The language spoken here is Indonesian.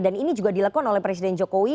dan ini juga dilakukan oleh presiden jokowi